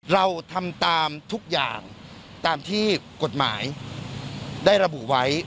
เราทำตามทุกอย่างตามที่กฎหมายได้ระบุไว้